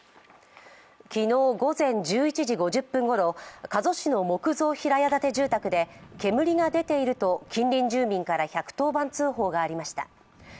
昨日午前１１時５０分ごろ、加須市の木造平屋建て住宅で煙が出ていると近隣住民から１１０番通報がありました。